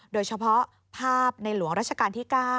โดยเฉพาะภาพในหลวงราชการที่๙